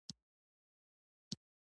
ستا ددرانده سکوت بلا واخلم؟